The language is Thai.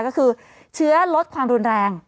ก็คือเชื้อลดความรุนแรง